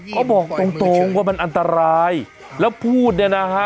เขาบอกตรงตรงว่ามันอันตรายแล้วพูดเนี่ยนะฮะ